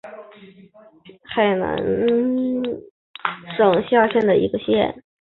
平江县是越南海阳省下辖的一个县。